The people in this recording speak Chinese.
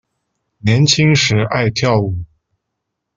年轻时爱跳舞。